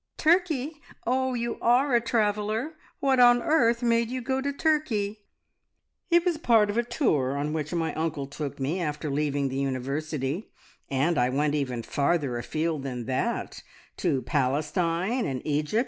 "Turkey! Oh, you are a traveller! What on earth made you go to Turkey?" "It was part of a tour on which my uncle took me after leaving the University, and I went even farther afield than that, to Palestine and Egypt.